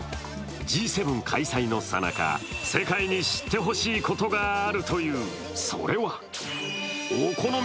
Ｇ７開催のさなか、世界に知ってほしいことがあるという。